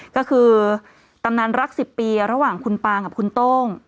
ก็คือตำนานรัก๑๐ปีระหว่างคุณปางกับคุณโต้ง